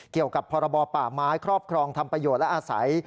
เกี่ยวกับพรบป่าไม้ครอบครองทำประโยชน์และอาศัย